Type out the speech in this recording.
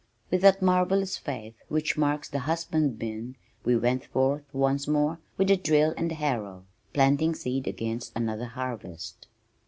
With that marvellous faith which marks the husbandmen, we went forth once more with the drill and the harrow, planting seed against another harvest.